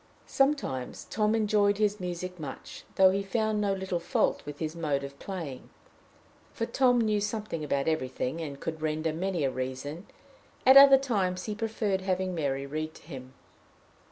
Sometimes Tom enjoyed his music much, though he found no little fault with his mode of playing, for Tom knew something about everything, and could render many a reason; at other times, he preferred having Mary read to him.